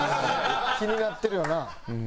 気になってるよな。